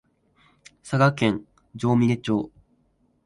佐賀県上峰町